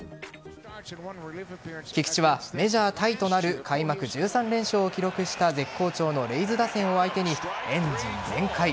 菊池はメジャータイとなる開幕１３連勝は記録した絶好調のレイズ打線を相手にエンジン全開。